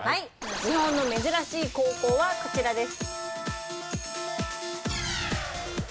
日本の珍しい高校はこちらです。